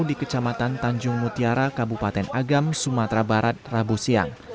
di kecamatan tanjung mutiara kabupaten agam sumatera barat rabu siang